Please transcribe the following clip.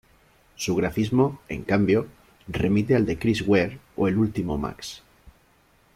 Su grafismo, en cambio, remite al de Chris Ware o el último Max.